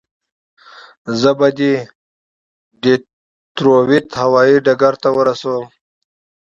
زه به دې ډیترویت هوایي ډګر ته ورسوم.